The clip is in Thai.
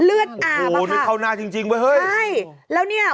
เลือดอาบโอ้โหนี่เข้าหน้าจริงจริงเว้ยเฮ้ยใช่แล้วเนี่ย